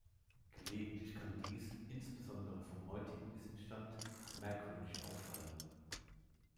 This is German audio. Gelegentlich kann dies, insbesondere vom heutigen Wissensstand, merkwürdig auffallen.